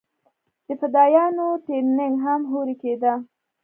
د فدايانو ټرېننگ هم هورې کېده.